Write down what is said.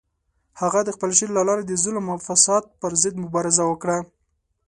هغه د خپل شعر له لارې د ظلم او فساد پر ضد مبارزه وکړه.